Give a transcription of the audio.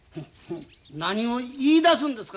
何を言いだすんですか？